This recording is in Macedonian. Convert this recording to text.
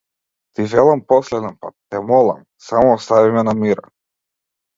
Ти велам последен пат, те молам, само остави ме на мира.